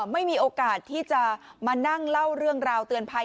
ไม่มีโอกาสที่จะมานั่งเล่าเรื่องราวเตือนภัย